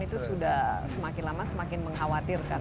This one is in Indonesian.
itu sudah semakin lama semakin mengkhawatirkan